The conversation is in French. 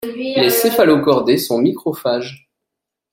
Les Céphalochordés sont microphages.